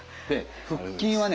腹筋はね